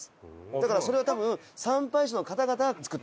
だからそれは多分参拝者の方々が作ったルールです。